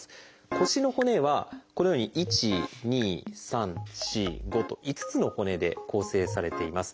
腰の骨はこのように１２３４５と５つの骨で構成されています。